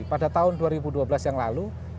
pada tahun dua ribu dua belas yang lalu